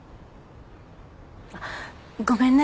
あっごめんね